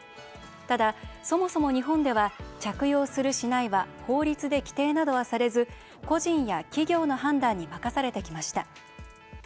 ただ、そもそも日本では着用する、しないは法律で規定などはされず個人や企業の判断に任されてきました。